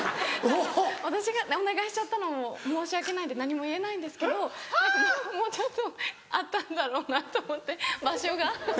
私がお願いしちゃったのも申し訳ないんで何も言えないんですけどもうちょっとあっただろうなと思って場所が。